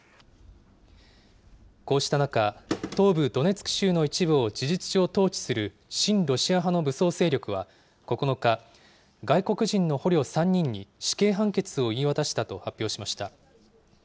こうした中、東部ドネツク州の一部を事実上統治する親ロシア派の武装勢力は９日、外国人の捕虜３人に死刑判決を言い渡したと発表しました。